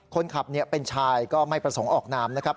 คนขับเป็นชายก็ไม่ประสงค์ออกนามนะครับ